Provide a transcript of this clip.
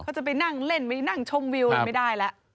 เขาจะไปนั่งเล่นไปนั่งชมวิวอะไรไม่ได้แล้ว